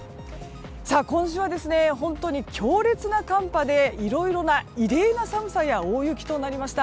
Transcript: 今週は本当に強烈な寒波でいろいろな異例な寒さや大雪となりました。